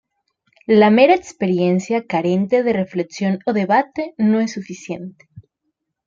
La mera experiencia carente de reflexión o debate no es suficiente.